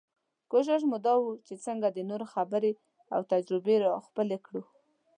کوشش مو دا وي چې څنګه د نورو خبرې او تجربې راخپلې کړو.